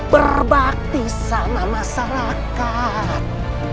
berbakti sama masyarakat